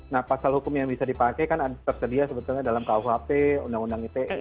nah pasal hukum yang bisa dipakai kan tersedia sebetulnya dalam kuhp undang undang ite